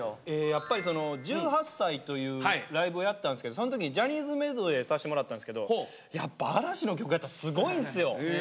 やっぱり１８祭というライブをやったんですけどその時にジャニーズメドレーさせてもらったんですけどやっぱ嵐の曲やったらすごいんですよ